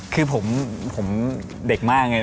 คือผมผมเด็กมากเนี่ย